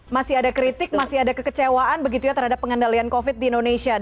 masih ada kritik masih ada kekecewaan begitu ya terhadap pengendalian covid di indonesia